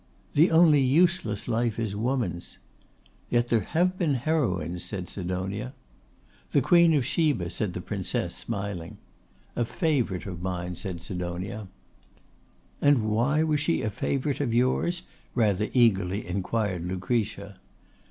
'The only useless life is woman's.' 'Yet there have been heroines,' said Sidonia. 'The Queen of Sheba,' said the Princess, smiling. 'A favourite of mine,' said Sidonia. 'And why was she a favourite of yours?' rather eagerly inquired Lucretia.